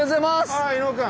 ああ伊野尾君！